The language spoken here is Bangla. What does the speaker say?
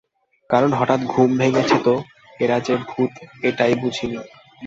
কারণ হঠাৎ ঘুম ভেঙেছে তো, এরা যে ভূত এইটাই বুঝি নি।